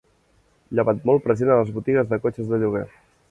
Llevat molt present a les botigues de cotxes de lloguer.